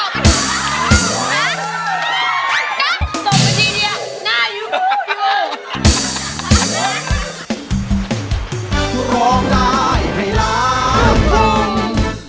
ตกกันทีเดียวนายอยู่อยู่